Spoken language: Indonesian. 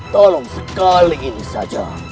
tolong sekali ini saja